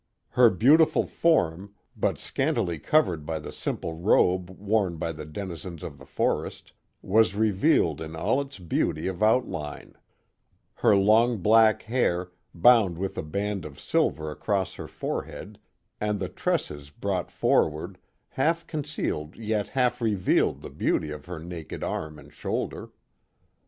Her beautiful form, but scantily covered by the simple robe worn by the denizens of the forest, was revealed in all its beauty of outline; her long black hair, bound with a band of silver across her forehead, and the tresses brought forward, half concealed yet half re vealed the beauty of her naked arm and shoulder.